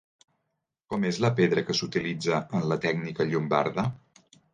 Com és la pedra que s'utilitza en la tècnica llombarda?